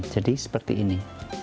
jadi seperti ini